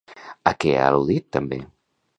A què ha al·ludit també?